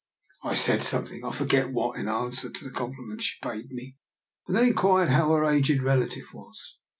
I said something, I forget what, in answer to the compliment she paid me, and then in quired how her aged relative was.